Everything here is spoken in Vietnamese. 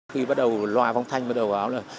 khi bắt đầu loài phong thanh bắt đầu báo là